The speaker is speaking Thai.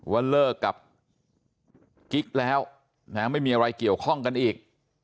ว่าเลิกกับกิ๊กแล้วไม่มีอะไรเกี่ยวข้องกันอีก